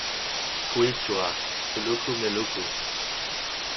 Quechua: ulluku, milluku.